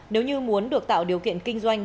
nếu như muốn được tạo điều kiện kinh doanh